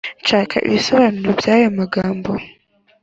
Shaka ibisobanuro by aya magambo